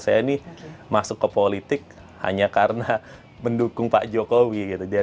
saya ini masuk ke politik hanya karena mendukung pak jokowi gitu